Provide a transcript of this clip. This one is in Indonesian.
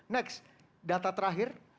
next data terakhir